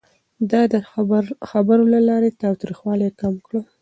ده د خبرو له لارې تاوتريخوالی کم کړ.